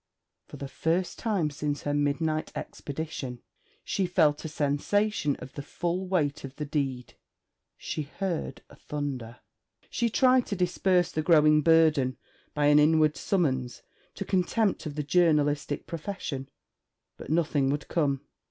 For the first time since her midnight expedition she felt a sensation of the full weight of the deed. She heard thunder. She tried to disperse the growing burden by an inward summons to contempt of the journalistic profession, but nothing would come.